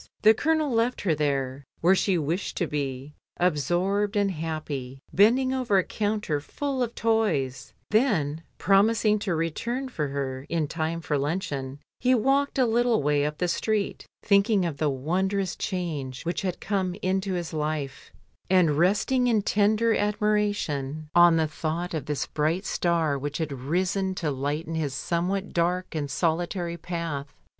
The Colonel left her there, where she wished to be, absorbed and happy, bending over a counter full of toys, then, promising to return for her in time for luncheon, he walked a little way up the street thinking of the wondrous change which had come into his life, and resting in tender admiration LONDON CITY. 1 59 on the thought of this bright star which had risen to lighten his somewhat dark and solitary path.